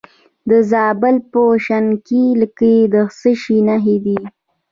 د زابل په شنکۍ کې د څه شي نښې دي؟